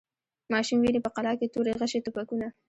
ماشوم ویني په قلا کي توري، غشي، توپکونه